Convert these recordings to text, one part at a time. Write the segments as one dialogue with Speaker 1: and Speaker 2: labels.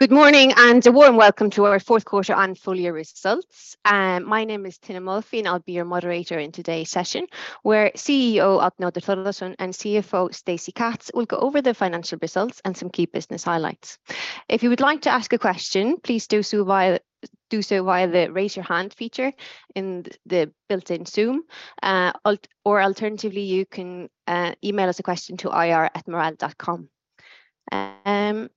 Speaker 1: Good morning, and a warm welcome to our fourth quarter and full year results. My name is Tinna Molphy, and I'll be your moderator in today's session, where CEO, Oddný Þórðardóttir, and CFO, Stacey Katz, will go over the financial results and some key business highlights. If you would like to ask a question, please do so via the Raise Your Hand feature in the built-in Zoom. Alternatively, you can email us a question to ir@marel.com.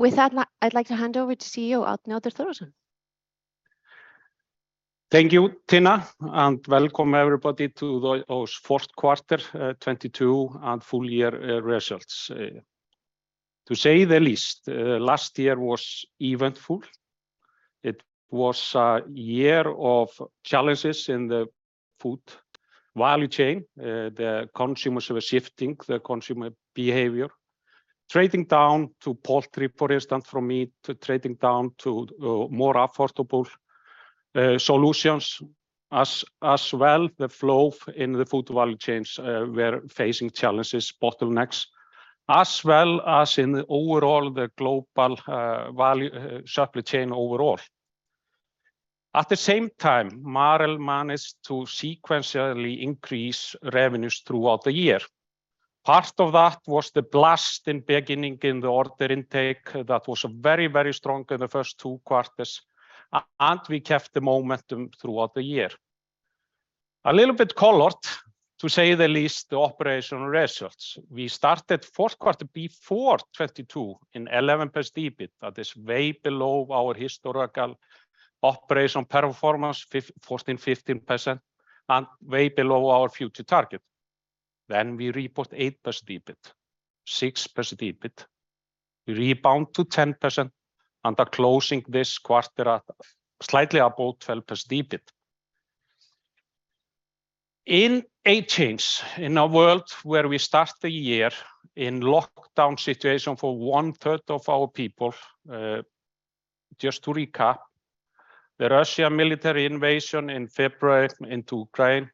Speaker 1: With that, I'd like to hand over to CEO, Oddný Þórðardóttir.
Speaker 2: Thank you, Tinna, welcome everybody to the, ours fourth quarter 2022 and full year results. To say the least, last year was eventful. It was a year of challenges in the food value chain. The consumers were shifting the consumer behavior, trading down to poultry, for instance, from meat, to trading down to more affordable solutions. As well, the flow in the food value chains were facing challenges, bottlenecks, as well as in the overall the global value supply chain overall. At the same time, Marel managed to sequentially increase revenues throughout the year. Part of that was the blast in beginning in the order intake that was very, very strong in the first two quarters, and we kept the momentum throughout the year. A little bit colored, to say the least, the operational results. We started fourth quarter before 2022 in 11% EBIT. That is way below our historical operational performance, 14%, 15%, and way below our future target. We report 8% EBIT, 6% EBIT. We rebound to 10%, and are closing this quarter at slightly above 12% EBIT. In a change, in a world where we start the year in lockdown situation for one-third of our people, just to recap, the Russia military invasion in February into Ukraine,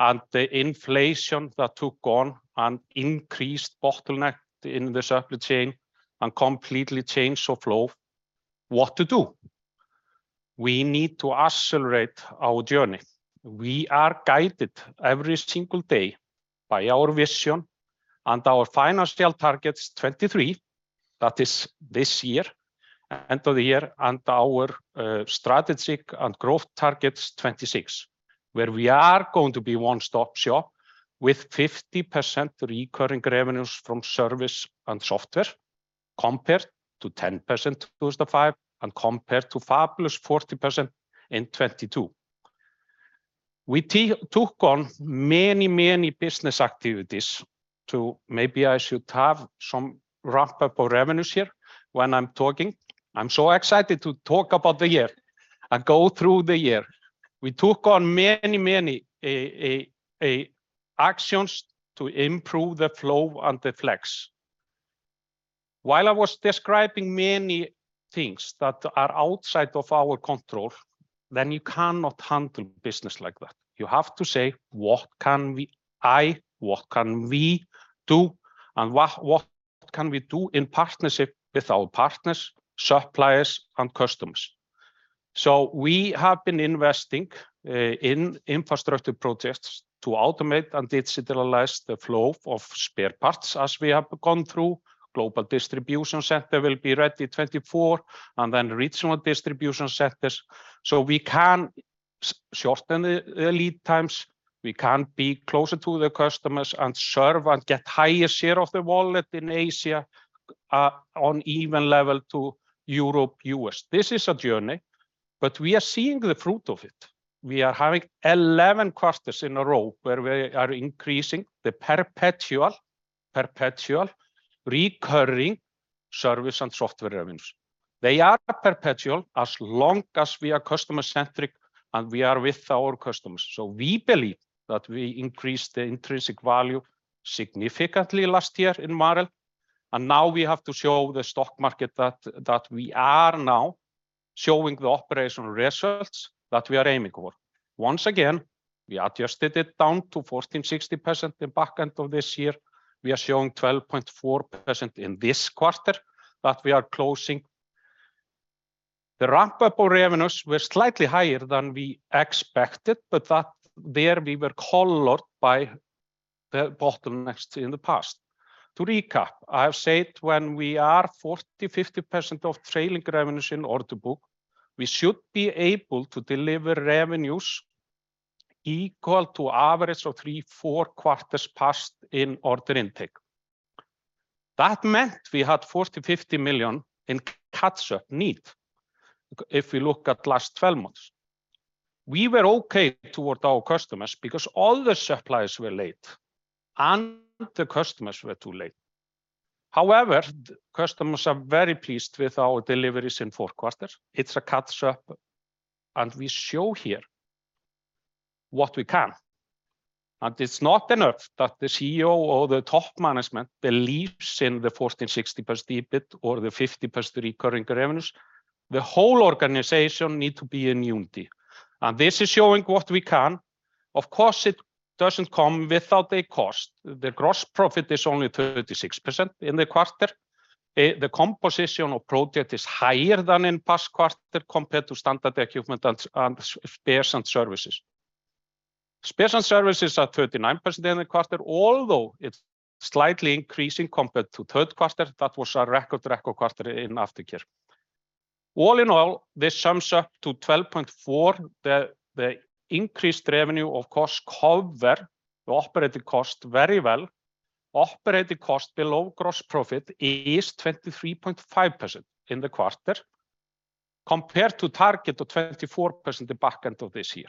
Speaker 2: and the inflation that took on and increased bottleneck in the supply chain and completely changed the flow, What to do? We need to accelerate our journey. We are guided every single day by our vision and our financial targets 2023, that is this year, end of the year, and our strategic and growth targets 2026, where we are going to be one-stop shop with 50% recurring revenues from service and software, compared to 10% those to five, and compared to fabulous 40% in 2022. We took on many, many business activities. Maybe I should have some wrap-up of revenues here when I'm talking. I'm so excited to talk about the year and go through the year. We took on many, many actions to improve the flow and the flex. While I was describing many things that are outside of our control, then you cannot handle business like that. You have to say, what can we, what can we do, and what can we do in partnership with our partners, suppliers, and customers? We have been investing in infrastructure projects to automate and digitalize the flow of spare parts as we have gone through. Global distribution center will be ready 2024, regional distribution centers, we can shorten the lead times. We can be closer to the customers and serve and get higher share of the wallet in Asia on even level to Europe, U.S. This is a journey, we are seeing the fruit of it. We are having 11 quarters in a row where we are increasing the perpetual recurring service and software revenues. They are perpetual as long as we are customer-centric, we are with our customers. We believe that we increased the intrinsic value significantly last year in Marel, and now we have to show the stock market that we are now showing the operational results that we are aiming for. Once again, we adjusted it down to 14.60% the back end of this year. We are showing 12.4% in this quarter that we are closing. The ramp-up of revenues were slightly higher than we expected, but that there we were colored by the bottlenecks in the past. To recap, I have said when we are 40%-50% of trailing revenues in order book, we should be able to deliver revenues equal to average of three to four quarters past in order intake. That meant we had 40-50 million in catch-up need if we look at last 12 months. We were okay toward our customers because all the suppliers were late, and the customers were too late. However, customers are very pleased with our deliveries in fourth quarter. It's a catch-up, and we show here what we can. It's not enough that the CEO or the top management believes in the 14%, 60% EBIT or the 50% recurring revenues. The whole organization need to be in unity. This is showing what we can. Of course, it doesn't come without a cost. The gross profit is only 36% in the quarter. The composition of project is higher than in past quarter compared to standard equipment and spares and services. Spares and services are 39% in the quarter, although it's slightly increasing compared to third quarter, that was a record quarter in aftercare. All in all, this sums up to 12.4. The increased revenue of course cover the operating cost very well. Operating cost below gross profit is 23.5% in the quarter compared to target of 24% the back end of this year,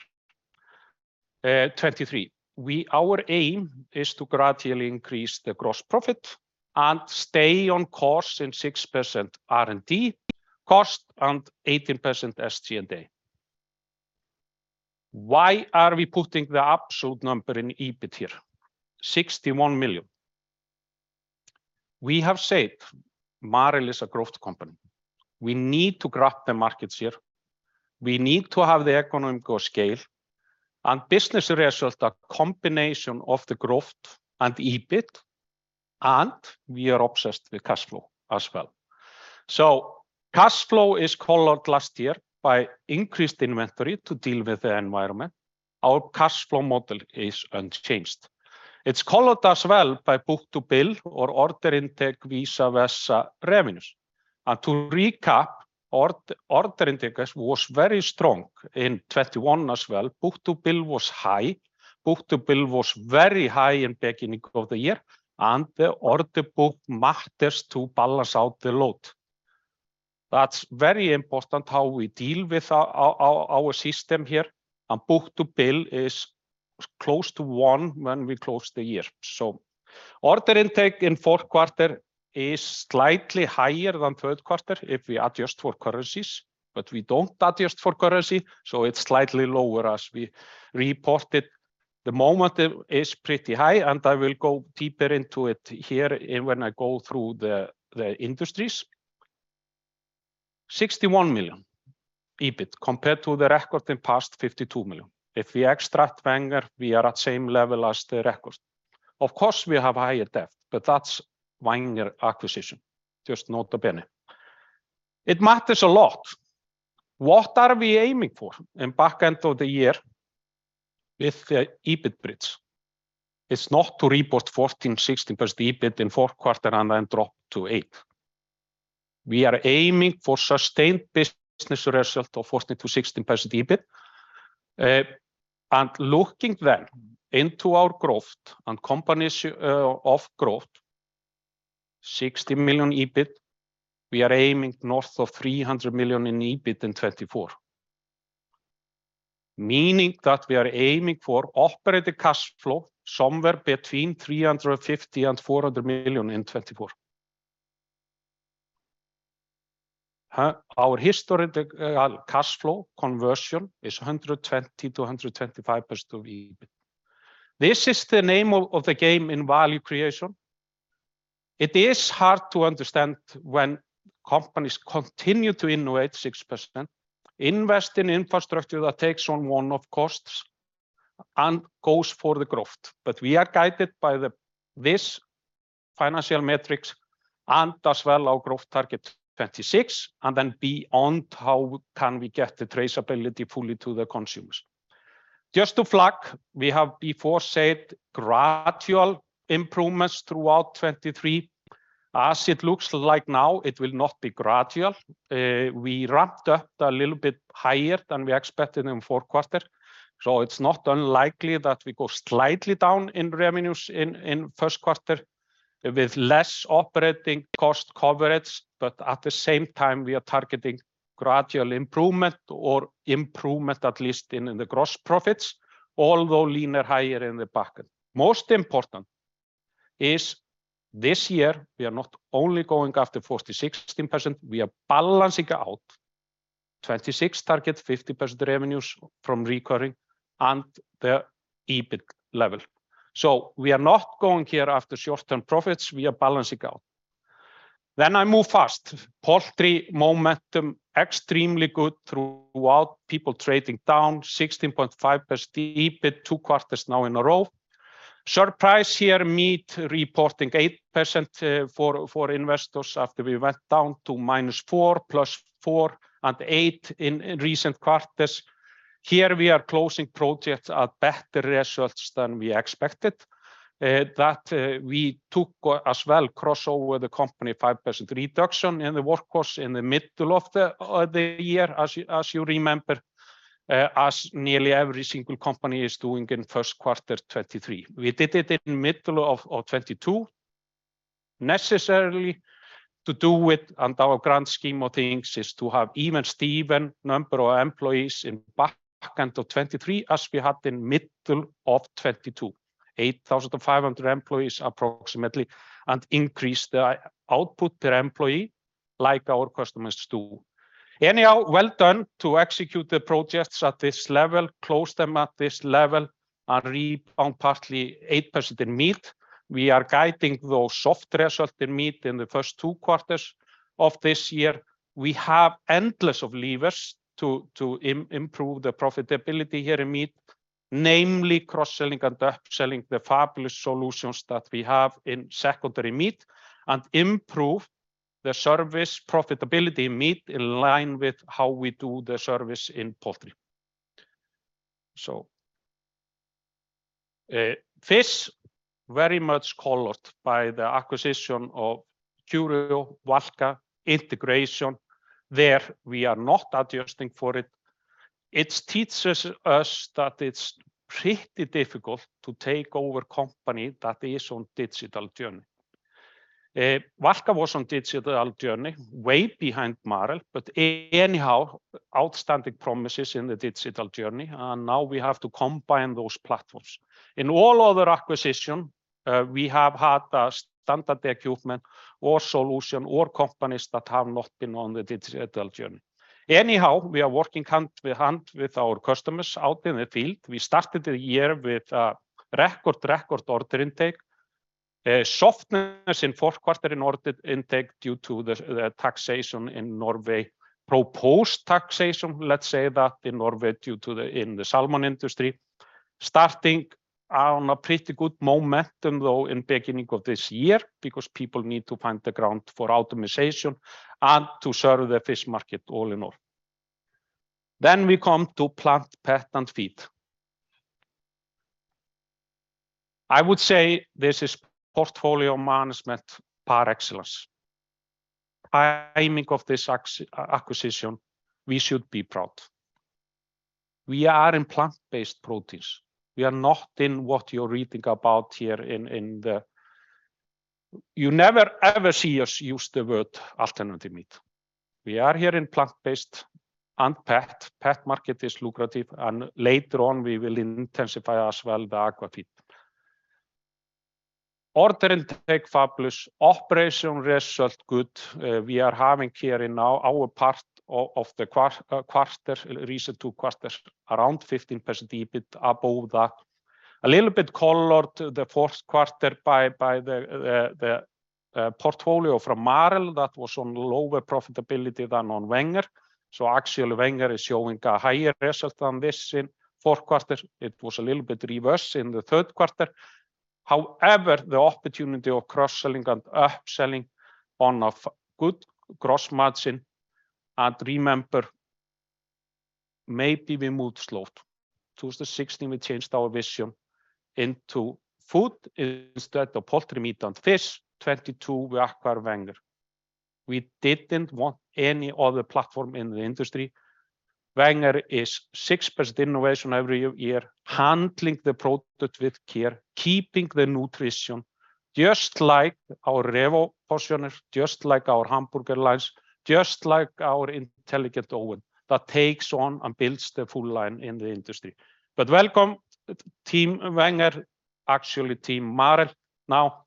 Speaker 2: 2023. Our aim is to gradually increase the gross profit and stay on course in 6% R&D cost and 18% SG&A. Why are we putting the absolute number in EBIT here, 61 million? We have said Marel is a growth company. We need to grab the markets here. We need to have the economical scale and business result, a combination of the growth and EBIT. We are obsessed with cash flow as well. Cash flow is colored last year by increased inventory to deal with the environment. Our cash flow model is unchanged. It's colored as well by book-to-bill or order intake visa versa revenues. To recap, order intake was very strong in 2021 as well. Book-to-bill was high. Book-to-bill was very high in beginning of the year, and the order book matters to balance out the load. That's very important how we deal with our system here. Book-to-bill is close to one when we close the year. Order intake in fourth quarter is slightly higher than third quarter if we adjust for currencies. We don't adjust for currency, so it's slightly lower as we report it. The momentum is pretty high, and I will go deeper into it here when I go through the industries. 61 million EBIT compared to the record in past 52 million. If we extract Wenger, we are at same level as the record. Of course, we have higher debt, but that's Wenger acquisition. Just nota bene. It matters a lot. What are we aiming for in back end of the year with the EBIT bridge? It's not to report 14%-16% EBIT in fourth quarter and then drop to 8%. We are aiming for sustained business result of 14%-16% EBIT. Looking then into our growth and combination of growth, 60 million EBIT, we are aiming north of 300 million in EBIT in 2024. Meaning that we are aiming for operating cash flow somewhere between 350 million and 400 million in 2024. Our historical cash flow conversion is 120%-125% of EBIT. This is the name of the game in value creation. It is hard to understand when companies continue to innovate 6%, invest in infrastructure that takes on one-off costs, and goes for the growth. We are guided by this financial metrics and as well our growth target 2026, and then beyond how can we get the traceability fully to the consumers. Just to flag, we have before said gradual improvements throughout 2023. As it looks like now, it will not be gradual. We ramped up a little bit higher than we expected in fourth quarter. It's not unlikely that we go slightly down in revenues in first quarter with less operating cost coverage. At the same time, we are targeting gradual improvement or improvement at least in the gross profits, although leaner higher in the back end. Most important is this year we are not only going after 46%, we are balancing out 2026 target, 50% revenues from recurring and the EBIT level. We are not going here after short-term profits, we are balancing out. I move fast. Poultry momentum extremely good throughout. People trading down 16.5% EBIT two quarters now in a row. Surprise here, meat reporting 8% for investors after we went down to -4%, +4%, and 8% in recent quarters. Here we are closing projects at better results than we expected. That we took as well crossover the company 5% reduction in the workforce in the middle of the year, as you remember, as nearly every single company is doing in first quarter 2023. We did it in middle of 2022. Necessarily to do with and our grand scheme of things is to have even-steven number of employees in back end of 2023 as we had in middle of 2022. 8,500 employees approximately and increase the output per employee like our customers do. Anyhow, well done to execute the projects at this level, close them at this level and rebound partly 8% in meat. We are guiding those soft results in meat in the first two quarters of this year. We have endless of levers to improve the profitability here in meat. Namely, cross-selling and up-selling the fabulous solutions that we have in secondary meat and improve the service profitability meat in line with how we do the service in poultry. Fish very much colored by the acquisition of Curio, Valka integration. There we are not adjusting for it. It teaches us that it's pretty difficult to take over company that is on digital journey. Valka was on digital journey way behind Marel. Anyhow, outstanding promises in the digital journey, now we have to combine those platforms. In all other acquisition, we have had a standard equipment or solution, or companies that have not been on the digital journey. Anyhow, we are working hand by hand with our customers out in the field. We started the year with a record order intake. A softness in fourth quarter in order intake due to the taxation in Norway. Proposed taxation, let's say that, in Norway due to the in the salmon industry. Starting on a pretty good momentum though in beginning of this year because people need to find the ground for automization and to serve the fish market all in all. We come to Plant, Pet, and Feed. I would say this is portfolio management par excellence. Timing of this acquisition, we should be proud. We are in plant-based proteins. We are not in what you're reading about here. You never, ever see us use the word alternative meat. We are here in plant-based and pet. Pet market is lucrative, and later on we will intensify as well the aqua feed. Order intake fabulous. Operation result good. We are having here in our part of the quarter, recent two quarters, around 15% EBIT above that. A little bit colored the fourth quarter by the portfolio from Marel that was on lower profitability than on Wenger. Actually Wenger is showing a higher result than this in fourth quarter. It was a little bit reverse in the third quarter. However, the opportunity of cross-selling and up-selling on a good gross margin, and remember, maybe we moved slow. 2016 we changed our vision into food instead of poultry, meat, and fish. 2022 we acquire Wenger. We didn't want any other platform in the industry. Wenger is 6% innovation every year, handling the product with care, keeping the nutrition just like our RevoPortioner, just like our hamburger lines, just like our intelligent oven that takes on and builds the full line in the industry. Welcome Team Wenger, actually Team Marel now.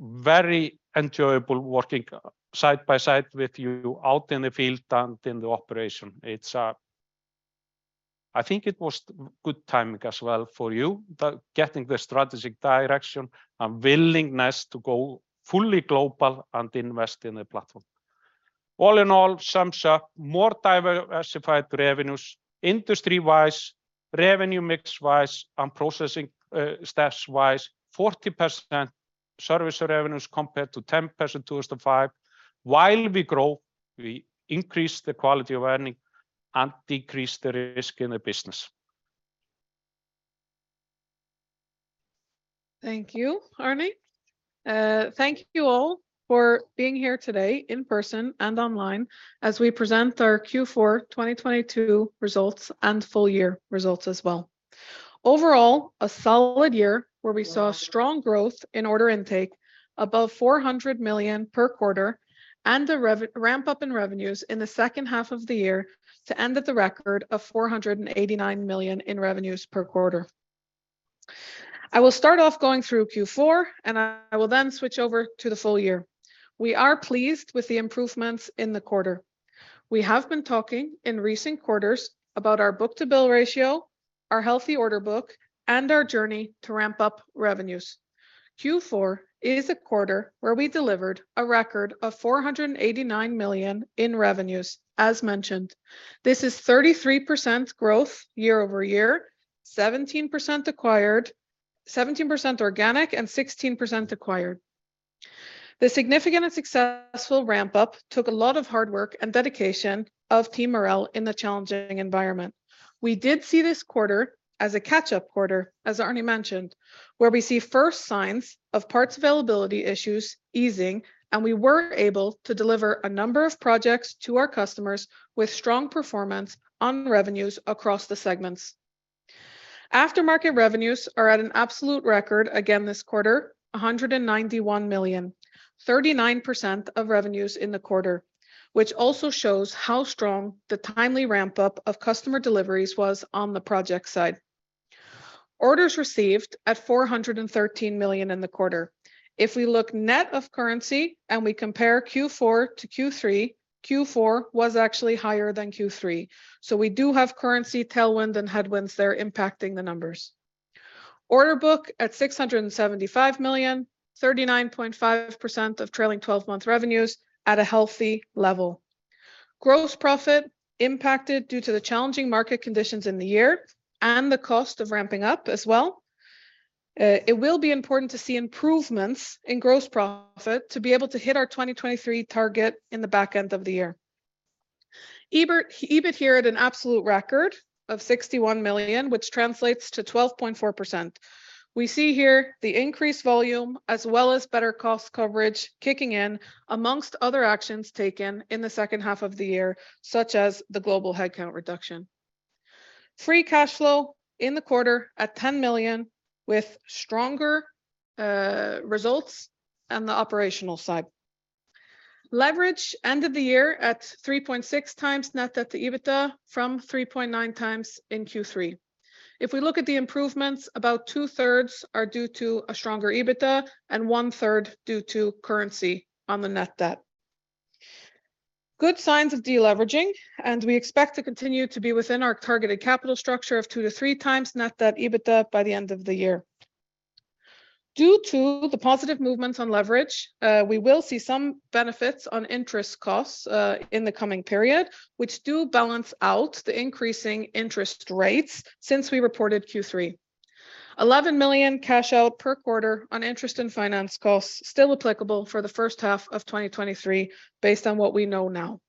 Speaker 2: Very enjoyable working side by side with you out in the field and in the operation. It's, I think it was good timing as well for you, the getting the strategic direction and willingness to go fully global and invest in the platform. All in all, sums up more diversified revenues industry-wise, revenue mix-wise, and processing, stats-wise. 40% service revenues compared to 10% 2005. While we grow, we increase the quality of earning and decrease the risk in the business.
Speaker 3: Thank you, Arni. Thank you all for being here today in person and online as we present our Q4 2022 results and full year results as well. Overall, a solid year where we saw strong growth in order intake above 400 million per quarter, the ramp-up in revenues in the second half of the year-to-end at the record of 489 million in revenues per quarter. I will start off going through Q4. I will then switch over to the full year. We are pleased with the improvements in the quarter. We have been talking in recent quarters about our book-to-bill ratio, our healthy order book, and our journey to ramp up revenues. Q4 is a quarter where we delivered a record of 489 million in revenues, as mentioned. This is 33% growth year-over-year, 17% acquired, 17% organic, 16% acquired. The significant and successful ramp-up took a lot of hard work and dedication of Team Marel in the challenging environment. We did see this quarter as a catch-up quarter, as Arni mentioned, where we see first signs of parts availability issues easing, and we were able to deliver a number of projects to our customers with strong performance on revenues across the segments. Aftermarket revenues are at an absolute record again this quarter, 191 million. 39% of revenues in the quarter, which also shows how strong the timely ramp-up of customer deliveries was on the project side. Orders received at 413 million in the quarter. If we look net of currency and we compare Q4-Q3, Q4 was actually higher than Q3. We do have currency tailwind and headwinds that are impacting the numbers. Order book at 675 million, 39.5% of trailing 12-month revenues at a healthy level. Gross profit impacted due to the challenging market conditions in the year and the cost of ramping up as well. It will be important to see improvements in gross profit to be able to hit our 2023 target in the back end of the year. EBIT here at an absolute record of 61 million, which translates to 12.4%. We see here the increased volume as well as better cost coverage kicking in amongst other actions taken in the second half of the year, such as the global headcount reduction. Free cash flow in the quarter at 10 million with stronger results on the operational side. Leverage ended the year at 3.6x net debt to EBITDA from 3.9x in Q3. If we look at the improvements, about 2/3 are due to a stronger EBITDA and 1/3 due to currency on the net debt. Good signs of deleveraging, we will see some benefits on interest costs in the coming period, which do balance out the increasing interest rates since we reported Q3. 11 million cash out per quarter on interest and finance costs still applicable for the first half of 2023 based on what we know now.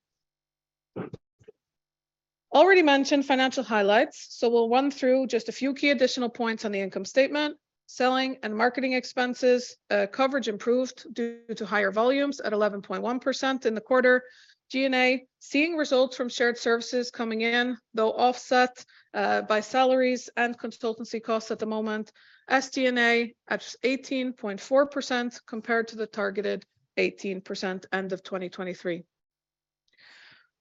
Speaker 3: Already mentioned financial highlights, we'll run through just a few key additional points on the income statement. Selling and marketing expenses, coverage improved due to higher volumes at 11.1% in the quarter. G&A, seeing results from shared services coming in, though offset by salaries and consultancy costs at the moment. SG&A at 18.4% compared to the targeted 18% end of 2023.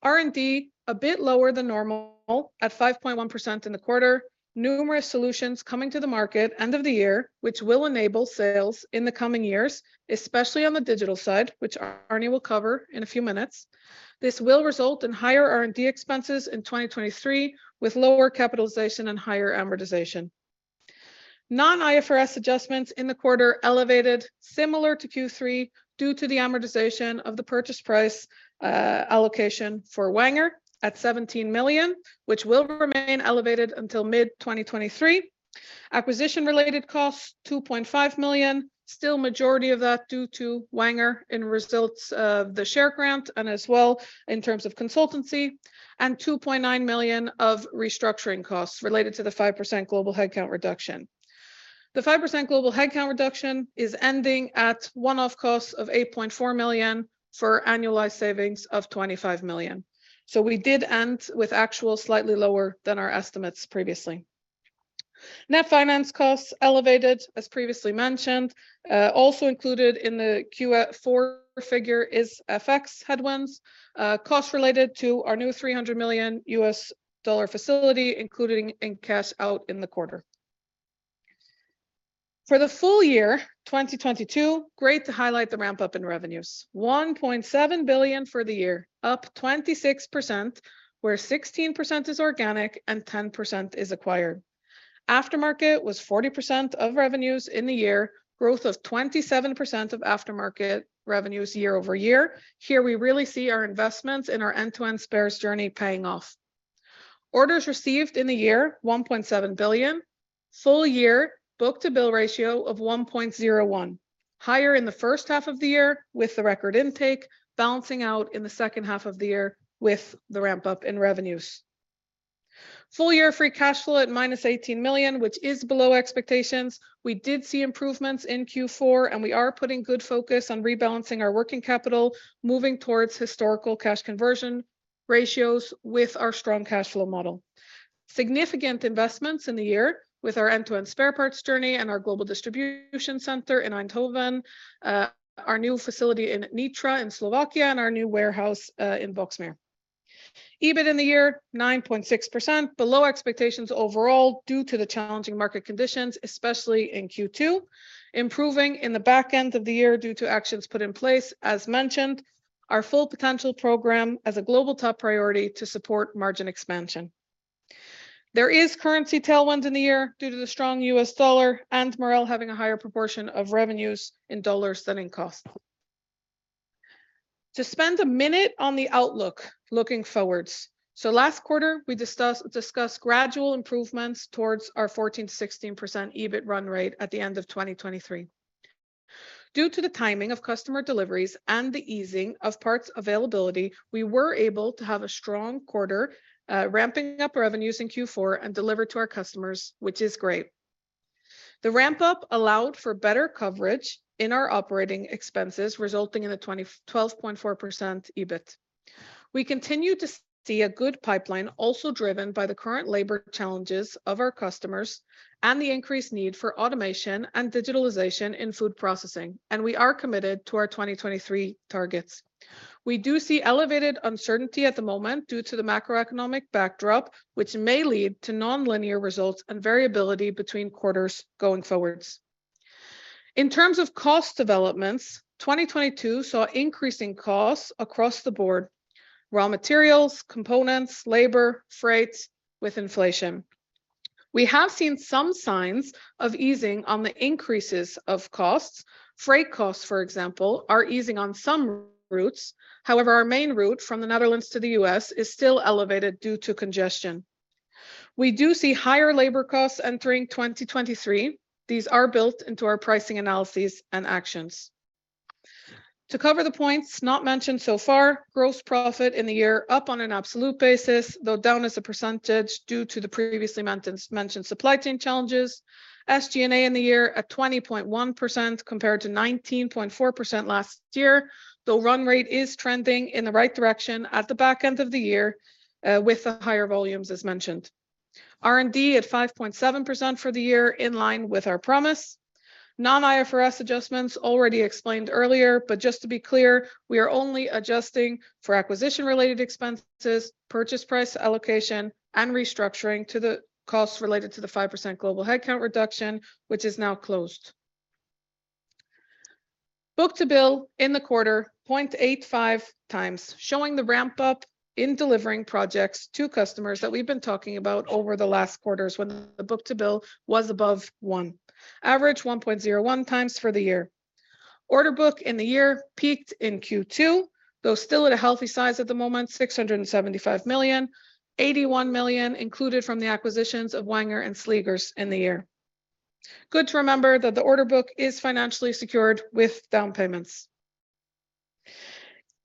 Speaker 3: R&D, a bit lower than normal at 5.1% in the quarter. Numerous solutions coming to the market end of the year, which will enable sales in the coming years, especially on the digital side, which Arni will cover in a few minutes. This will result in higher R&D expenses in 2023 with lower capitalization and higher amortization. Non-IFRS adjustments in the quarter elevated similar to Q3 due to the amortization of the purchase price allocation for Wenger at 17 million, which will remain elevated until mid-2023. Acquisition-related costs, 2.5 million. Still majority of that due to Wenger in results of the share grant as well in terms of consultancy, 2.9 million of restructuring costs related to the 5% global headcount reduction. The 5% global headcount reduction is ending at one-off costs of 8.4 million for annualized savings of 25 million. We did end with actual slightly lower than our estimates previously. Net finance costs elevated, as previously mentioned. Also included in the Q4 figure is FX headwinds, costs related to our new $300 million facility included in cash out in the quarter. For the full year, 2022, great to highlight the ramp-up in revenues. 1.7 billion for the year, up 26%, where 16% is organic and 10% is acquired. Aftermarket was 40% of revenues in the year, growth of 27% of aftermarket revenues year-over-year. Here we really see our investments in our end-to-end spares journey paying off. Orders received in the year, 1.7 billion. Full year book-to-bill ratio of 1.01. Higher in the first half of the year with the record intake, balancing out in the second half of the year with the ramp-up in revenues. Full year free cash flow at -18 million, which is below expectations. We did see improvements in Q4, and we are putting good focus on rebalancing our working capital, moving towards historical cash conversion ratios with our strong cash flow model. Significant investments in the year with our end-to-end spares journey and our global distribution center in Eindhoven, our new facility in Nitra in Slovakia, and our new warehouse in Boxmeer. EBIT in the year, 9.6%, below expectations overall due to the challenging market conditions, especially in Q2, improving in the back end of the year due to actions put in place, as mentioned. Our Full Potential program as a global top priority to support margin expansion. There is currency tailwinds in the year due to the strong U.S. dollar and Marel having a higher proportion of revenues in dollars than in cost. Last quarter, we discussed gradual improvements towards our 14%-16% EBIT run rate at the end of 2023. Due to the timing of customer deliveries and the easing of parts availability, we were able to have a strong quarter, ramping up revenues in Q4 and deliver to our customers, which is great. The ramp-up allowed for better coverage in our operating expenses, resulting in the 12.4% EBIT. We continue to see a good pipeline also driven by the current labor challenges of our customers and the increased need for automation and digitalization in food processing. We are committed to our 2023 targets. We do see elevated uncertainty at the moment due to the macroeconomic backdrop, which may lead to nonlinear results and variability between quarters going forwards. In terms of cost developments, 2022 saw increasing costs across the board: raw materials, components, labor, freight with inflation. We have seen some signs of easing on the increases of costs. Freight costs, for example, are easing on some routes. However, our main route from the Netherlands to the U.S. is still elevated due to congestion. We do see higher labor costs entering 2023. These are built into our pricing analyses and actions. To cover the points not mentioned so far, gross profit in the year up on an absolute basis, though down as a % due to the previously mentioned supply chain challenges. SG&A in the year at 20.1% compared to 19.4% last year, though run rate is trending in the right direction at the back end of the year, with the higher volumes as mentioned. R&D at 5.7% for the year in line with our promise. Non-IFRS adjustments already explained earlier. Just to be clear, we are only adjusting for acquisition-related expenses, purchase price allocation, and restructuring to the costs related to the 5% global headcount reduction, which is now closed. Book-to-bill in the quarter, 0.85 times, showing the ramp-up in delivering projects to customers that we've been talking about over the last quarters when the book-to-bill was above one. Average 1.01 times for the year. Order book in the year peaked in Q2, though still at a healthy size at the moment, 675 million, 81 million included from the acquisitions of Wenger and Sleegers in the year. Good to remember that the order book is financially secured with down payments.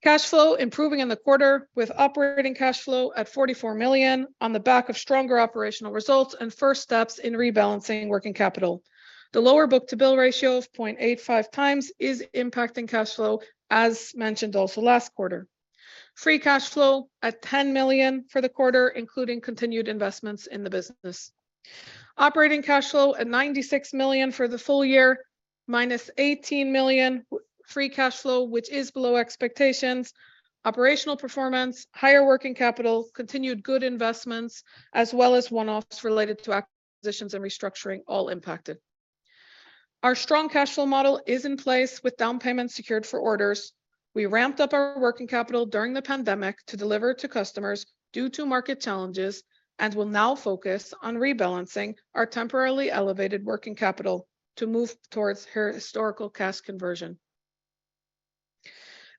Speaker 3: Cash flow improving in the quarter with operating cash flow at 44 million on the back of stronger operational results and first steps in rebalancing working capital. The lower book-to-bill ratio of 0.85 times is impacting cash flow, as mentioned also last quarter. Free cash flow at 10 million for the quarter, including continued investments in the business. Operating cash flow at 96 million for the full year, minus 18 million free cash flow, which is below expectations. Operational performance, higher working capital, continued good investments, as well as one-offs related to acquisitions and restructuring all impacted. Our strong cash flow model is in place with down payments secured for orders. We ramped up our working capital during the pandemic to deliver to customers due to market challenges and will now focus on rebalancing our temporarily elevated working capital to move towards historical cash conversion.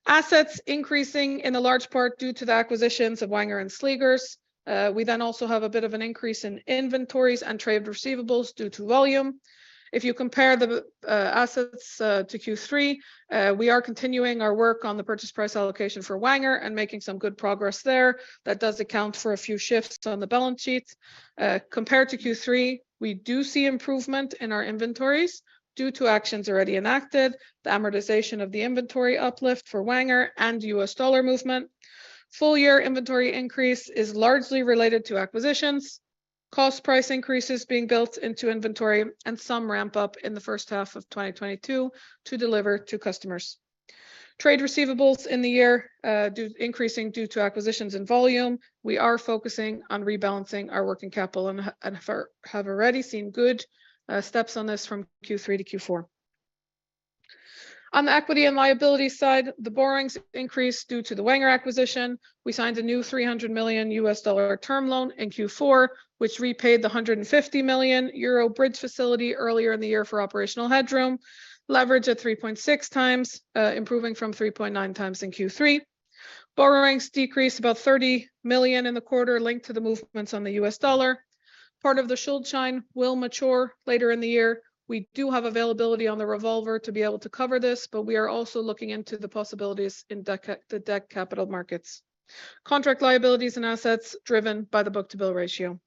Speaker 3: Assets increasing in a large part due to the acquisitions of Wenger and Sleegers. We also have a bit of an increase in inventories and trade receivables due to volume. If you compare the assets to Q3, we are continuing our work on the purchase price allocation for Wenger and making some good progress there. That does account for a few shifts on the balance sheets. Compared to Q3, we do see improvement in our inventories due to actions already enacted, the amortization of the inventory uplift for Wenger and U.S. dollar movement. Full year inventory increase is largely related to acquisitions, cost price increases being built into inventory, and some ramp up in the first half of 2022 to deliver to customers. Trade receivables in the year increasing due to acquisitions and volume. We are focusing on rebalancing our working capital and have already seen good steps on this from Q3-Q4. On the equity and liability side, the borrowings increased due to the Wenger acquisition. We signed a new $300 million term loan in Q4, which repaid the 150 million euro bridge facility earlier in the year for operational headroom. Leverage at 3.6 times, improving from 3.9 times in Q3. Borrowings decreased about $30 million in the quarter linked to the movements on the U.S. dollar. Part of the Schuldschein will mature later in the year. We do have availability on the revolver to be able to cover this, we are also looking into the possibilities in the debt capital markets. Contract liabilities and assets driven by the book-to-bill ratio.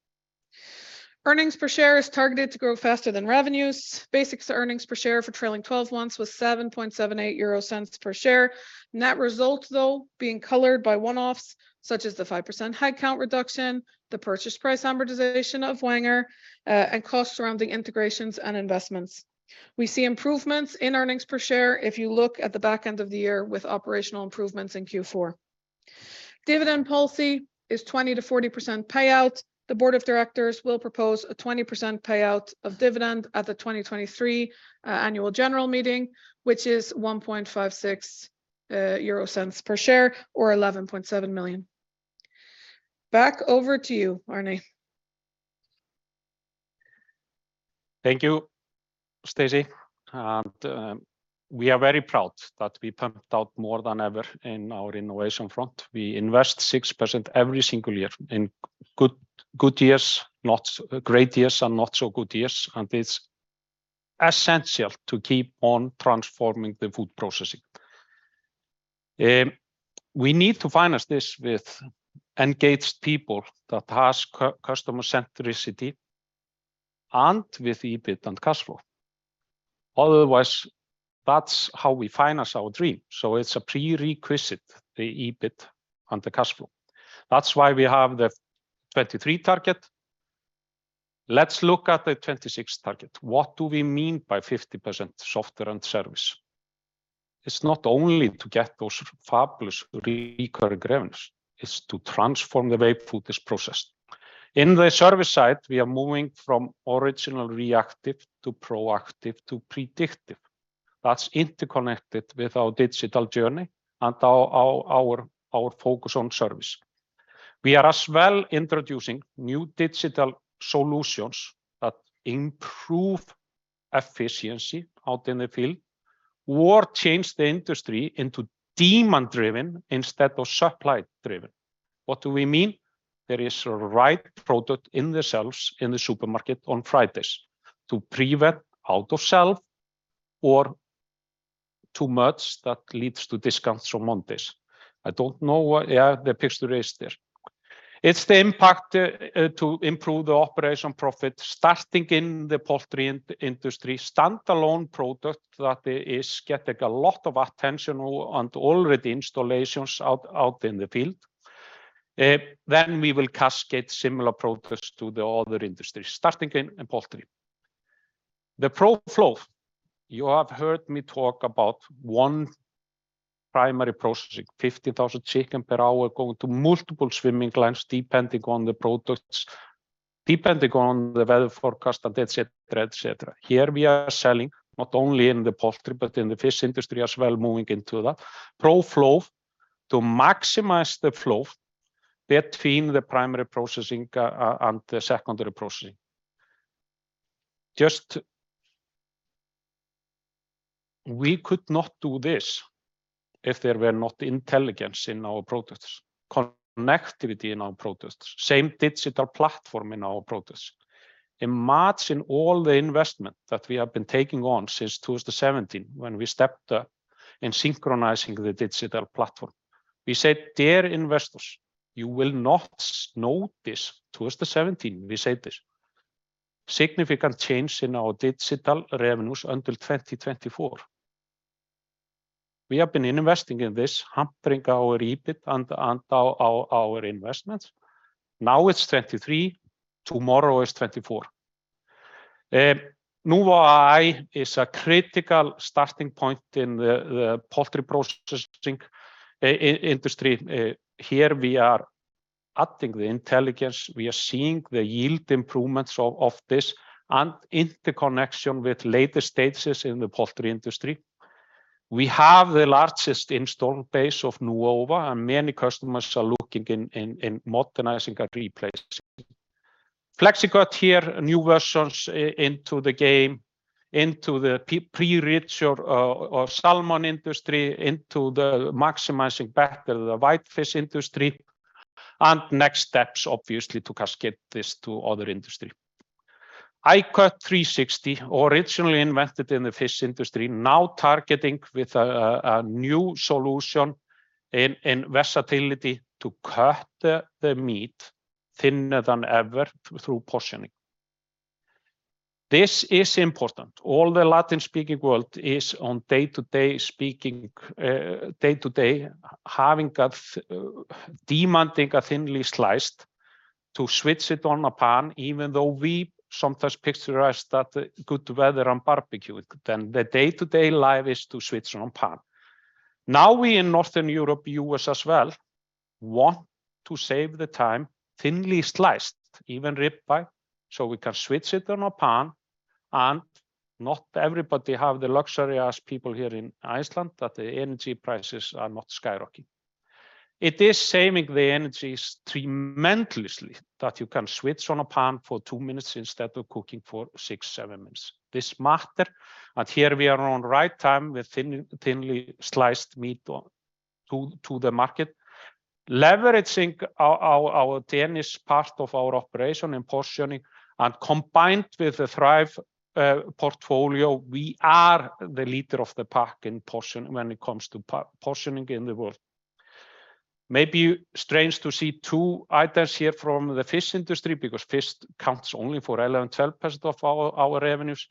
Speaker 3: Earnings per share is targeted to grow faster than revenues. Basics earnings per share for trailing 12 months was 7.78 euro cents per share. Net results, though, being colored by one-offs such as the 5% headcount reduction, the purchase price amortization of Wenger, and costs surrounding integrations and investments. We see improvements in earnings per share if you look at the back end of the year with operational improvements in Q4. Dividend policy is 20%-40% payout. The board of directors will propose a 20% payout of dividend at the 2023 annual general meeting, which is 1.56 euro cents per share or 11.7 million. Back over to you, Arni.
Speaker 2: Thank you, Stacey. We are very proud that we pumped out more than ever in our innovation front. We invest 6% every single year in good years, not great years and not so good years. It's essential to keep on transforming the food processing. We need to finance this with engaged people that has customer centricity and with EBIT and cash flow. Otherwise, that's how we finance our dream. It's a prerequisite, the EBIT and the cash flow. That's why we have the 23 target. Let's look at the 26 target. What do we mean by 50% software and service? It's not only to get those fabulous recurring revenues, it's to transform the way food is processed. In the service side, we are moving from original reactive to proactive to predictive. That's interconnected with our digital journey and our focus on service. We are as well introducing new digital solutions that improve efficiency out in the field or change the industry into demand-driven instead of supply-driven. What do we mean? There is a right product in the shelves in the supermarket on Fridays to prevent out of shelf or too much that leads to discounts on Mondays. I don't know what. Yeah, the picture is there. It's the IMPAQT to improve the operation profit starting in the poultry in-industry, standalone product that is getting a lot of attention on to already installations out in the field. Then we will cascade similar products to the other industries, starting in poultry. The ProFlow. You have heard me talk about one primary processing, 50,000 chicken per hour going to multiple swimming lanes depending on the products, depending on the weather forecast, et cetera, et cetera. We are selling not only in the poultry, but in the fish industry as well, moving into that. ProFlow to maximize the flow between the primary processing and the secondary processing. We could not do this if there were not intelligence in our products, connectivity in our products, same digital platform in our products. Imagine all the investment that we have been taking on since 2017 when we stepped up in synchronizing the digital platform. We said, "Dear investors, you will not know this." 2017 we said this. Significant change in our digital revenues until 2024. We have been investing in this, hampering our EBIT and our investments. Now it's 2023, tomorrow is 2024. Nuova-i is a critical starting point in the poultry processing industry. Here we are adding the intelligence. We are seeing the yield improvements of this and interconnection with later stages in the poultry industry. We have the largest install base of Nuova, and many customers are looking in modernizing and replacing. FleXicut here, new versions into the game, into the pre-reach of salmon industry, into the maximizing better the whitefish industry. Next steps obviously to cascade this to other industry. I-Cut 360, originally invented in the fish industry, now targeting with a new solution in versatility to cut the meat thinner than ever through portioning. This is important. All the Latin-speaking world is on day-to-day speaking, day-to-day having a demanding a thinly sliced to switch it on a pan, even though we sometimes picturize that good weather and barbecue. The day-to-day life is to switch on pan. We in Northern Europe, U.S. as well, want to save the time thinly sliced, even rib eye, so we can switch it on a pan and not everybody have the luxury as people here in Iceland that the energy prices are not skyrocketing. It is saving the energies tremendously that you can switch on a pan for two minutes instead of cooking for six, seven minutes. This matter, and here we are on right time with thinly sliced meat to the market. Leveraging our Danish part of our operation in portioning and combined with the Thrive portfolio, we are the leader of the pack in portion when it comes to portioning in the world. Maybe strange to see two items here from the fish industry because fish counts only for 11-12% of our revenues.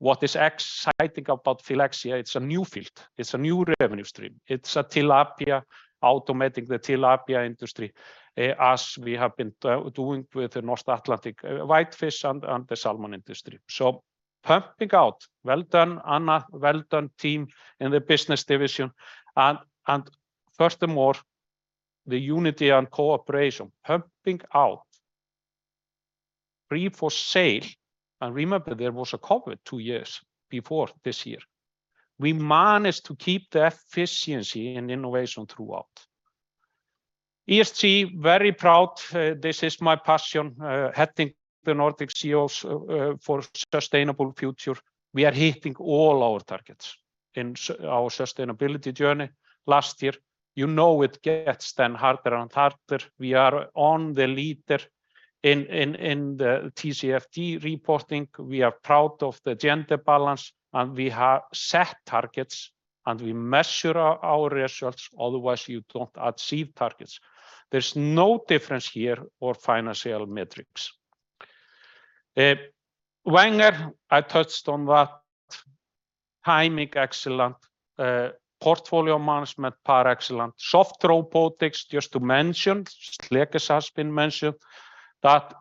Speaker 2: What is exciting about FilleXia, it's a new field. It's a new revenue stream. It's a tilapia, automating the tilapia industry, as we have been doing with the North Atlantic whitefish and the salmon industry. Pumping out, well done Anna, well done team in the business division. First of all, the unity and cooperation, pumping out free for sale. Remember, there was a COVID two years before this year. We managed to keep the efficiency and innovation throughout. ESG, very proud. This is my passion, heading the Nordic CEOs for sustainable future. We are hitting all our targets in our sustainability journey last year. You know it gets then harder and harder. We are on the leader in the TCFD reporting. We are proud of the gender balance, and we have set targets, and we measure our results, otherwise you don't achieve targets. There's no difference here or financial metrics. Wenger, I touched on that. Timing, excellent. Portfolio management, par excellent. Soft Robotics, just to mention, just like it has been mentioned that.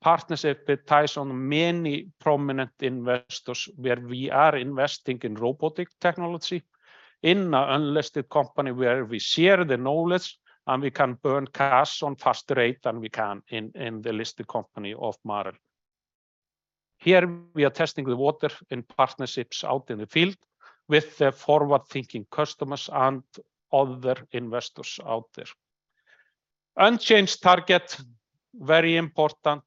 Speaker 2: Partnership with Tyson, many prominent investors where we are investing in robotic technology in our unlisted company where we share the knowledge, and we can burn cash on faster rate than we can in the listed company of Marel. Here we are testing the water in partnerships out in the field with the forward-thinking customers and other investors out there. Unchanged target, very important.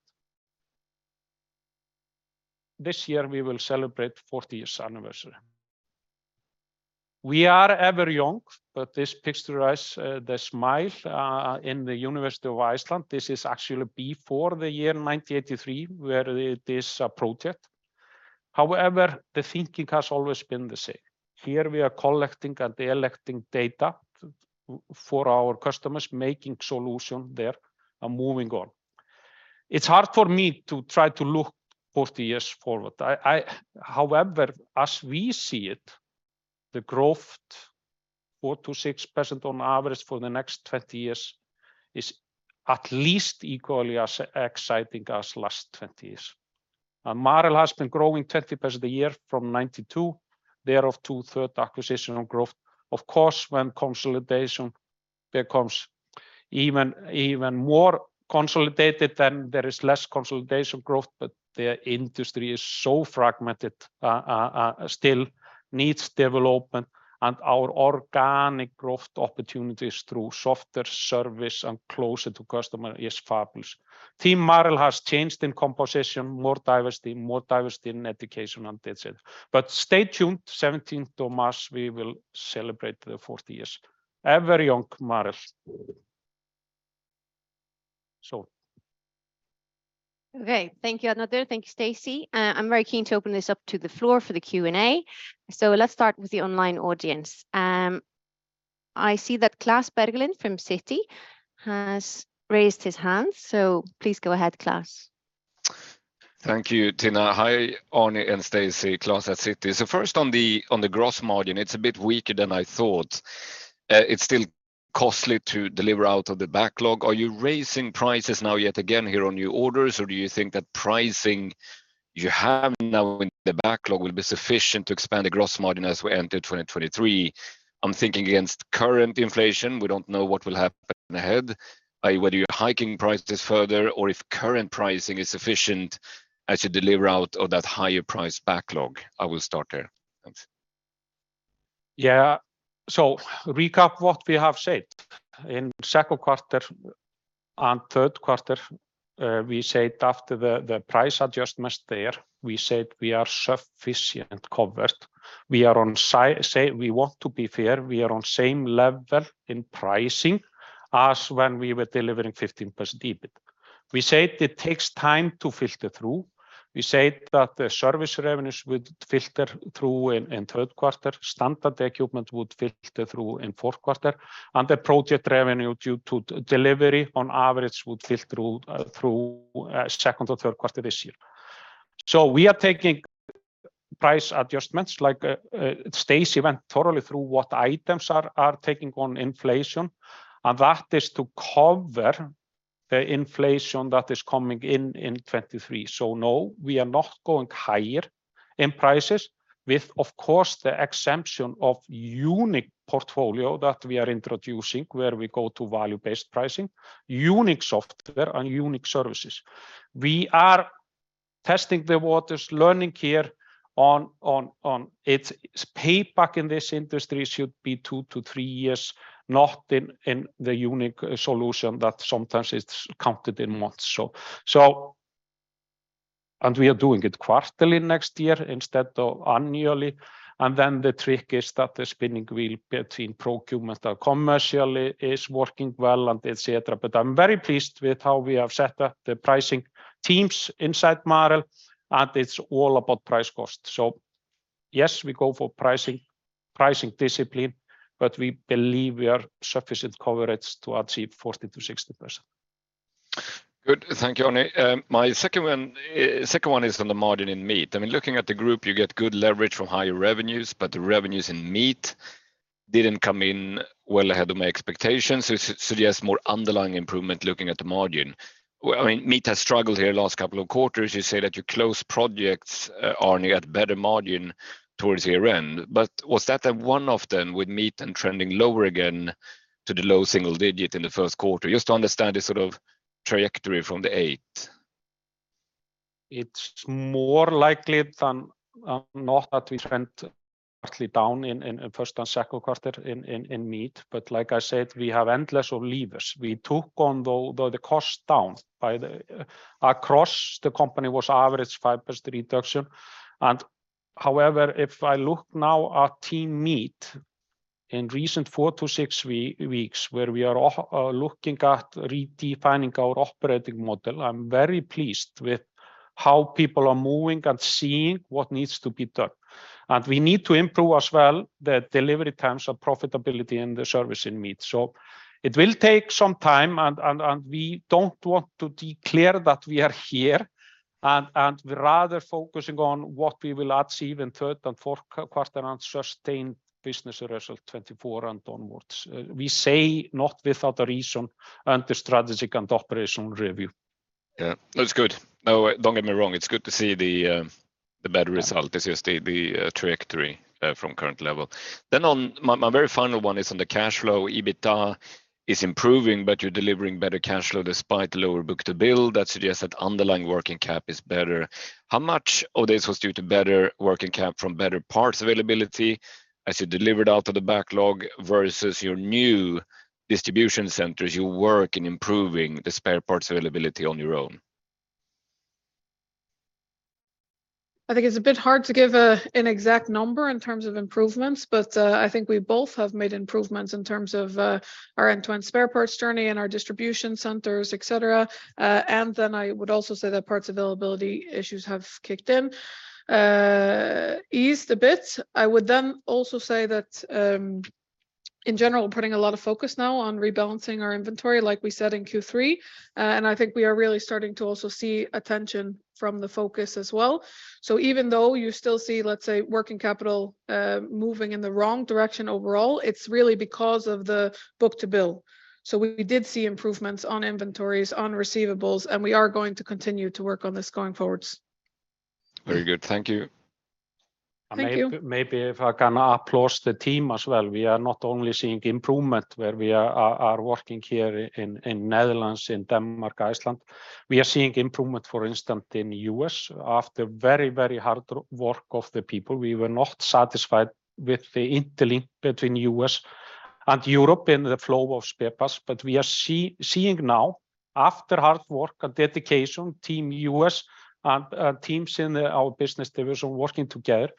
Speaker 2: This year we will celebrate 40 years anniversary. We are ever young, but this picturize the smile in the University of Iceland. This is actually before the year 1983, where this project. However, the thinking has always been the same. Here we are collecting and electing data for our customers, making solution there and moving on. It's hard for me to try to look 40 years forward. However, as we see it, the growth 4%-6% on average for the next 20 years is at least equally as exciting as last 20 years. Now, Marel has been growing 20% a year from 1992, thereof two-third acquisition on growth. Of course, when consolidation becomes even more consolidated, then there is less consolidation growth. The industry is so fragmented, still needs development. Our organic growth opportunities through softer service and closer to customer is fabulous. Team Marel has changed in composition, more diversity, more diversity in education and et cetera. Stay tuned, 17th of March, we will celebrate the 40 years. Ever young Marel.
Speaker 1: Okay. Thank you, Arni. Thank you, Stacey. I'm very keen to open this up to the floor for the Q&A. Let's start with the online audience. I see that Klas Bergelind from Citi has raised his hand. Please go ahead, Klas.
Speaker 4: Thank you, Tinna. Hi, Arni and Stacey. Klas at Citi. First on the gross margin, it's a bit weaker than I thought. It's still costly to deliver out of the backlog. Are you raising prices now yet again here on new orders, or do you think that pricing you have now in the backlog will be sufficient to expand the gross margin as we enter 2023? I'm thinking against current inflation. We don't know what will happen ahead. Whether you're hiking prices further or if current pricing is sufficient as you deliver out of that higher price backlog. I will start there. Thanks.
Speaker 2: Yeah. Recap what we have said. In second quarter and third quarter, we said after the price adjustments there, we said we are sufficient covered. We want to be fair, we are on same level in pricing as when we were delivering 15% EBIT. We said it takes time to filter through. We said that the service revenues would filter through in third quarter. Standard equipment would filter through in fourth quarter, and the project revenue due to delivery on average would filter through second or third quarter this year. We are taking price adjustments like Stacey went thoroughly through what items are taking on inflation, and that is to cover the inflation that is coming in in 2023. No, we are not going higher in prices with, of course, the exemption of unique portfolio that we are introducing, where we go to value-based pricing, unique software and unique services. We are testing the waters, learning here on its payback in this industry should be two to three years, not in the unique solution that sometimes it's counted in months. We are doing it quarterly next year instead of annually. The trick is that the spinning wheel between procurement and commercial is working well and et cetera. I'm very pleased with how we have set up the pricing teams inside Marel, and it's all about price cost. Yes, we go for pricing discipline, but we believe we are sufficient coverage to achieve 40%-60%.
Speaker 4: Good. Thank you, Arni. My second one, second one is on the margin in meat. I mean, looking at the group, you get good leverage from higher revenues, the revenues in meat didn't come in well ahead of my expectations. Suggests more underlying improvement looking at the margin. I mean, meat has struggled here last couple of quarters. You say that you close projects, Arni, at better margin towards the year-end. Was that a one-off then with meat and trending lower again to the low single digit in the first quarter? Just to understand the sort of trajectory from the EBIT.
Speaker 2: It's more likely than not that we trend partly down in first and second quarter in meat. Like I said, we have endless of levers. We took on the cost down. Across the company was average 5% reduction. However, if I look now at Team Meat in recent four to six weeks, where we are looking at redefining our operating model, I'm very pleased with how people are moving and seeing what needs to be done. We need to improve as well the delivery times of profitability and the service in meat. It will take some time and we don't want to declare that we are here and we're rather focusing on what we will achieve in third and fourth quarter and sustain business result 2024 and onwards. We say not without a reason and the strategic and operational review.
Speaker 4: That's good. Don't get me wrong, it's good to see the better result this year, the trajectory from current level. My very final one is on the cash flow. EBITDA is improving, you're delivering better cash flow despite lower book-to-bill. That suggests that underlying working cap is better. How much of this was due to better working cap from better parts availability as you delivered out of the backlog versus your new distribution centers, your work in improving the spare parts availability on your own?
Speaker 3: I think it's a bit hard to give an exact number in terms of improvements, but I think we both have made improvements in terms of our end-to-end spare parts journey and our distribution centers, et cetera. I would also say that parts availability issues have kicked in, eased a bit. I would then also say that, in general, we're putting a lot of focus now on rebalancing our inventory, like we said in Q3. I think we are really starting to also see attention from the focus as well. Even though you still see, let's say, working capital, moving in the wrong direction overall, it's really because of the book-to-bill. We did see improvements on inventories, on receivables, and we are going to continue to work on this going forwards.
Speaker 4: Very good. Thank you.
Speaker 3: Thank you.
Speaker 2: Maybe if I can applaud the team as well. We are not only seeing improvement where we are working here in Netherlands, in Denmark, Iceland. We are seeing improvement, for instance, in U.S. after very, very hard work of the people. We were not satisfied with the interlink between U.S. and Europe and the flow of spare parts. We are seeing now after hard work and dedication, team U.S. and teams in our business division working together,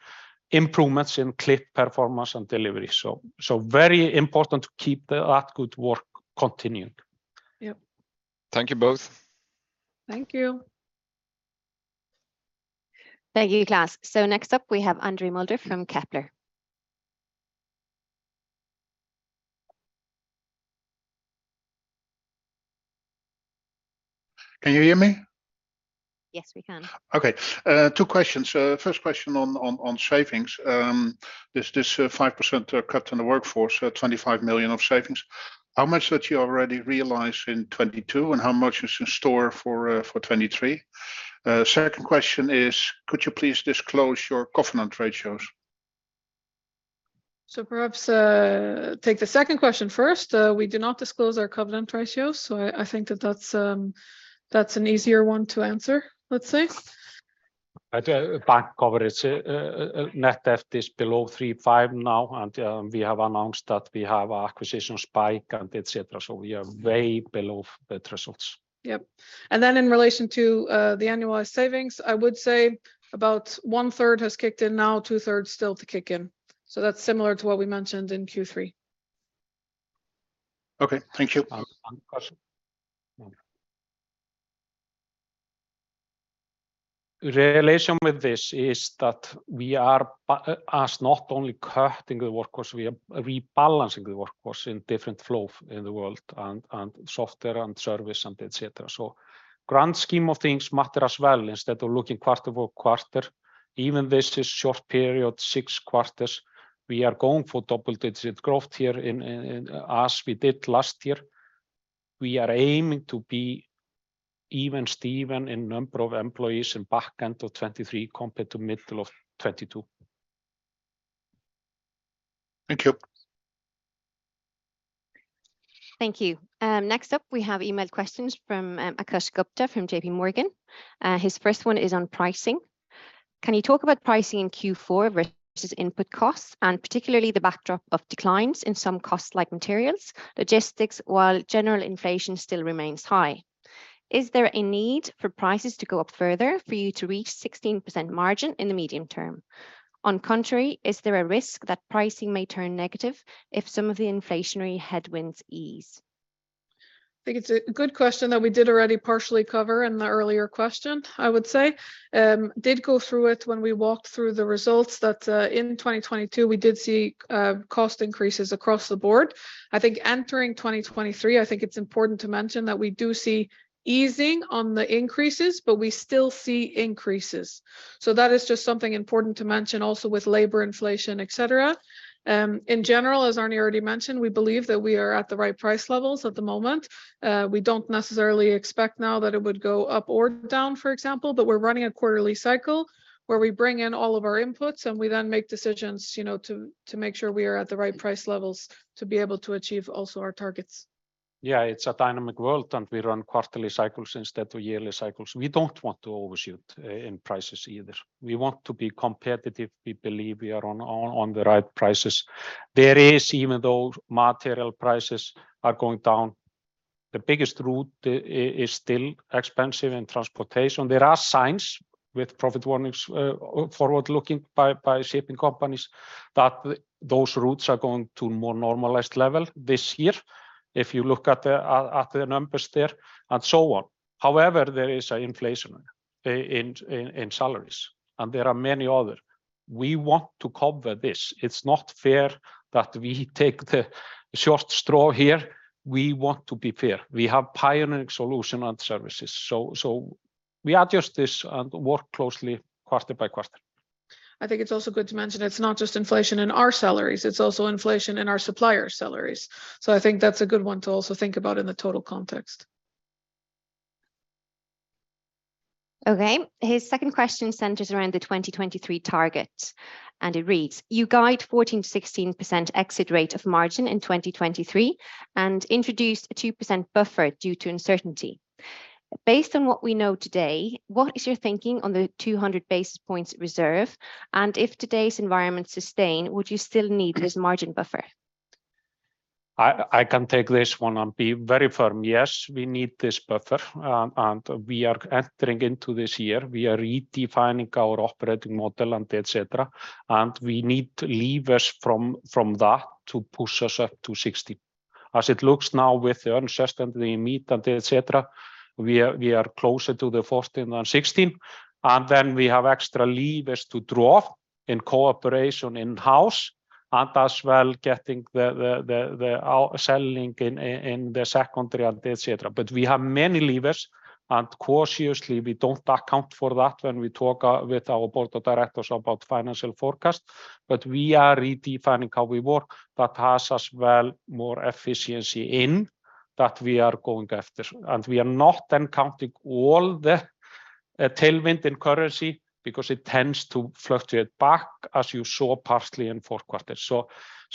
Speaker 2: improvements in clip performance and delivery. Very important to keep that good work continuing.
Speaker 3: Yep.
Speaker 4: Thank you both.
Speaker 3: Thank you.
Speaker 1: Thank you, Klas. Next up, we have Andre Mulder from Kepler.
Speaker 5: Can you hear me?
Speaker 1: Yes, we can.
Speaker 5: Okay. two questions. First question on savings. This 5% cut in the workforce, 25 million of savings, how much that you already realize in 2022, and how much is in store for 2023? Second question is, could you please disclose your covenant ratios?
Speaker 3: Perhaps, take the second question first. We do not disclose our covenant ratios, so I think that that's an easier one to answer, let's say.
Speaker 2: Bank coverage, net debt is below 3.5 now. We have announced that we have acquisition spike and et cetera. We are way below the thresholds.
Speaker 3: Yep. Then in relation to, the annualized savings, I would say about one-third has kicked in now, two-thirds still to kick in. That's similar to what we mentioned in Q3.
Speaker 5: Okay. Thank you.
Speaker 2: One question. The relation with this is that we are as not only cutting the workforce, we are rebalancing the workforce in different flow in the world and software and service and et cetera. Grand scheme of things matter as well. Instead of looking quarter-over-quarter, even this is short period, six quarters, we are going for double-digit growth here in as we did last year. We are aiming to be even-steven in number of employees in back end of 2023 compared to middle of 2022.
Speaker 5: Thank you.
Speaker 1: Thank you. Next up, we have email questions from Akash Gupta from J.P. Morgan. His first one is on pricing. Can you talk about pricing in Q4 versus input costs, and particularly the backdrop of declines in some costs like materials, logistics, while general inflation still remains high? Is there a need for prices to go up further for you to reach 16% margin in the medium term? On contrary, is there a risk that pricing may turn negative if some of the inflationary headwinds ease?
Speaker 3: I think it's a good question that we did already partially cover in the earlier question, I would say. Did go through it when we walked through the results that, in 2022, we did see cost increases across the board. I think entering 2023, I think it's important to mention that we do see easing on the increases, but we still see increases. That is just something important to mention also with labor inflation, et cetera. In general, as Arni already mentioned, we believe that we are at the right price levels at the moment. We don't necessarily expect now that it would go up or down, for example. We're running a quarterly cycle where we bring in all of our inputs, and we then make decisions, you know, to make sure we are at the right price levels to be able to achieve also our targets.
Speaker 2: It's a dynamic world, and we run quarterly cycles instead of yearly cycles. We don't want to overshoot in prices either. We want to be competitive. We believe we are on the right prices. There is, even though material prices are going down, the biggest route is still expensive in transportation. There are signs with profit warnings, forward-looking by shipping companies that those routes are going to more normalized level this year, if you look at the numbers there and so on. However, there is an inflation in salaries, and there are many other. We want to cover this. It's not fair that we take the short straw here. We want to be fair. We have pioneering solution and services. We adjust this and work closely quarter-by-quarter.
Speaker 3: I think it's also good to mention it's not just inflation in our salaries, it's also inflation in our suppliers' salaries. I think that's a good one to also think about in the total context.
Speaker 1: Okay. His second question centers around the 2023 targets, It reads, "You guide 14%-16% exit rate of margin in 2023 and introduced a 2% buffer due to uncertainty. Based on what we know today, what is your thinking on the 200 basis points reserve, and if today's environment sustain, would you still need this margin buffer?
Speaker 2: I can take this one and be very firm. Yes, we need this buffer, and we are entering into this year. We are redefining our operating model and et cetera, and we need levers from that to push us up to 60%. As it looks now with the earnouts and the meet and et cetera, we are closer to the 14% and 16%, and then we have extra levers to draw in cooperation in-house and as well getting the out-selling in the secondary and et cetera. We have many levers, and cautiously we don't account for that when we talk with our board of directors about financial forecast. We are redefining how we work that has as well more efficiency in that we are going after. We are not then counting all the tailwind in currency because it tends to fluctuate back as you saw partly in Q4.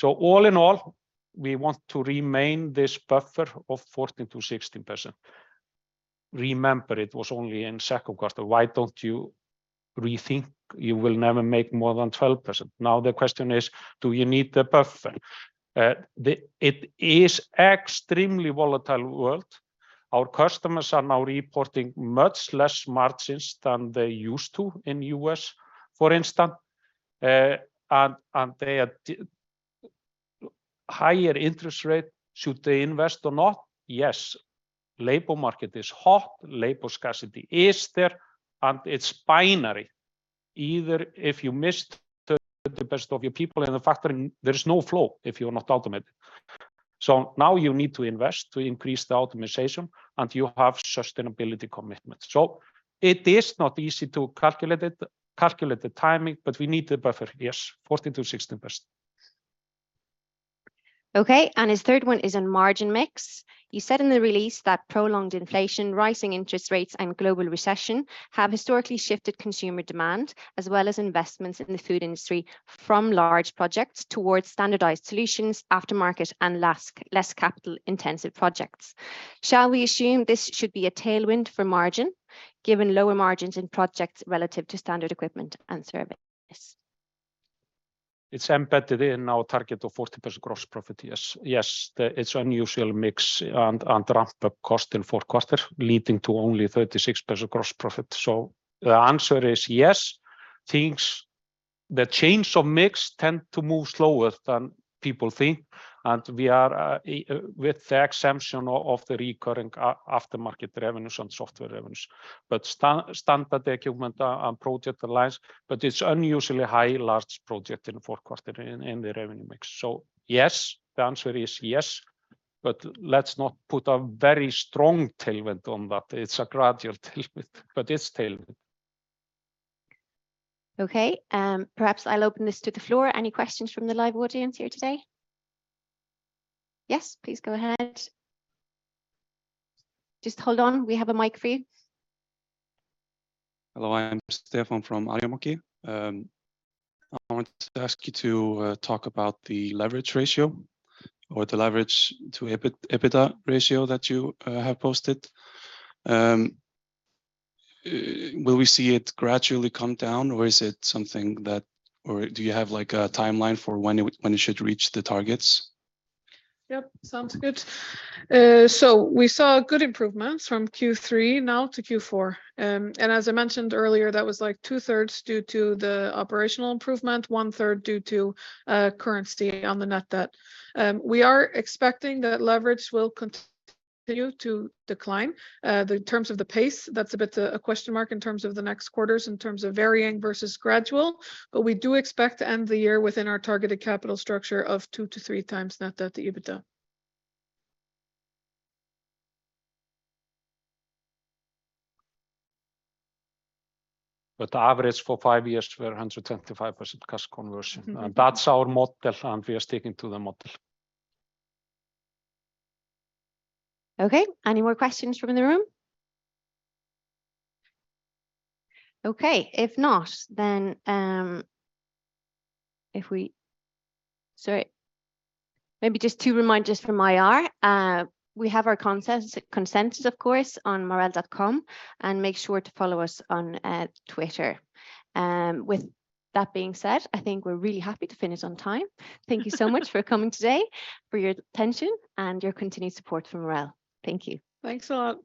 Speaker 2: All in all, we want to remain this buffer of 14%-16%. Remember, it was only in second quarter, "Why don't you rethink? You will never make more than 12%." Now the question is, do you need the buffer? It is extremely volatile world. Our customers are now reporting much less margins than they used to in U.S., for instance, and they are Higher interest rate, should they invest or not? Yes. Labor market is hot. Labor scarcity is there, and it's binary. Either if you missed the best of your people in the factory, there's no flow if you're not automated. Now you need to invest to increase the optimization, and you have sustainability commitment. It is not easy to calculate it, calculate the timing, but we need the buffer, yes, 14%-16%.
Speaker 1: Okay. His third one is on margin mix. You said in the release that prolonged inflation, rising interest rates, and global recession have historically shifted consumer demand as well as investments in the food industry from large projects towards standardized solutions, aftermarket, and less capital-intensive projects. Shall we assume this should be a tailwind for margin, given lower margins in projects relative to standard equipment and service?
Speaker 2: It's embedded in our target of 40% gross profit, yes. Yes. It's unusual mix and ramped up cost in Q4, leading to only 36% gross profit. The answer is yes. The change of mix tend to move slower than people think, and we are with the exemption of the recurring aftermarket revenues and software revenues. Standard equipment and project alliance, but it's unusually high large project in the Q4 in the revenue mix. Yes, the answer is yes, but let's not put a very strong tailwind on that. It's a gradual tailwind, but it's tailwind.
Speaker 1: Okay. Perhaps I'll open this to the floor. Any questions from the live audience here today? Yes, please go ahead. Just hold on. We have a mic for you.
Speaker 6: Hello, I'm Stefan from Arjamoki. I want to ask you to talk about the leverage ratio or the leverage to EBITDA ratio that you have posted. Will we see it gradually come down, or is it something that or do you have like a timeline for when it should reach the targets?
Speaker 3: Yep. Sounds good. We saw good improvements from Q3 now to Q4. As I mentioned earlier, that was like two-thirds due to the operational improvement, one-third due to currency on the net debt. We are expecting that leverage will continue to decline. The terms of the pace, that's a bit a question mark in terms of the next quarters, in terms of varying versus gradual, but we do expect to end the year within our targeted capital structure of two to three times net debt to EBITDA.
Speaker 2: The average for five years were 100% to 5% cash conversion.
Speaker 1: Mm-hmm.
Speaker 2: That's our model, and we are sticking to the model.
Speaker 1: Okay. Any more questions from the room? Okay. If not then, Sorry. Maybe just two reminders from IR. We have our consensus, of course, on marel.com, and make sure to follow us on Twitter. With that being said, I think we're really happy to finish on time. Thank you so much for coming today, for your attention, and your continued support for Marel. Thank you.
Speaker 3: Thanks a lot.